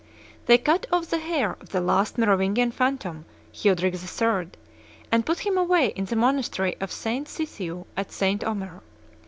They cut off the hair of the last Merovingian phantom, Childeric III., and put him away in the monastery of St. Sithiu, at St. Omer.